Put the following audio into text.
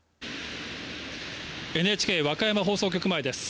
ＮＨＫ和歌山放送局前です。